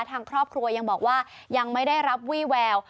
ทางครอบครัวยังบอกว่ายังไม่ได้รับวี่แวว